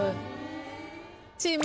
チーム